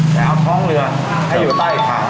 แต่เอาท้องเรือให้อยู่ใต้ขา